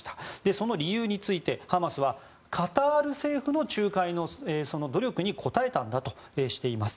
その理由についてハマスはカタール政府の仲介の努力に応えたんだとしています。